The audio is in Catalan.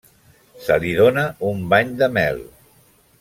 Se li dóna un bany de mel.